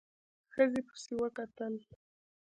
ښځې پسې وکتل.